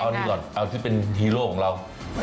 อันนี้ก่อนเอาที่เป็นฮีโร่ของเรา